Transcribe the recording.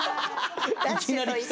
いきなり来た。